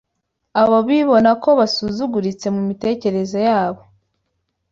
Abo bibona ko basuzuguritse mu mitekerereze yabo